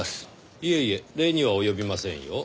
いえいえ礼には及びませんよ。